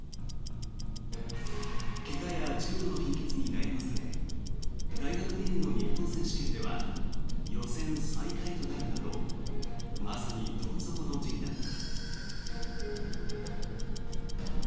怪我や重度の貧血に悩まされ大学２年の日本選手権では予選最下位となるなどまさにどん底の時期だった。